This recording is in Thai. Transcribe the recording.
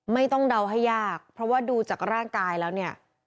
เดาให้ยากเพราะว่าดูจากร่างกายแล้วเนี่ย